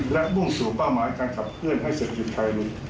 และมุ่งสู่เป้าหมายการขับเคลื่อนให้เศรษฐกิจไทยลง